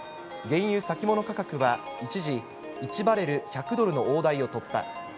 原油先物価格は一時、１バレル１００ドルの大台を突破。